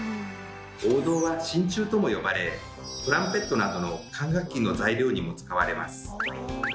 黄銅は「しんちゅう」とも呼ばれトランペットなどの管楽器の材料にも使われます。